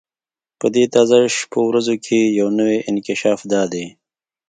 په دې تازه شپو ورځو کې یو نوی انکشاف دا دی.